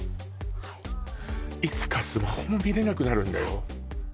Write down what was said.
いつかスマホも見れなくなるんだよ